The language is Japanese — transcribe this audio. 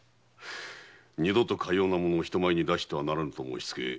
二度とかような物を人前に出してはならぬと申しつけ